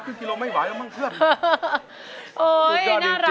ขอบคุณครับ